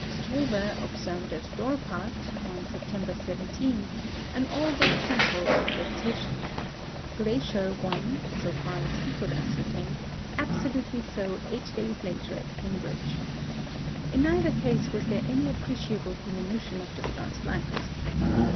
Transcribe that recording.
Struve observed at Dorpat, on September 17, an all but central occultation; Glaisher one (so far as he could ascertain) absolutely so eight days later at Cambridge. In neither case was there any appreciable diminution of the star's light.